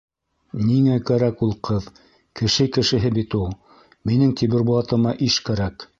Ниңә кәрәк ул ҡыҙ, кеше кешеһе бит ул. Минең Тимербулатыма иш кәрәк!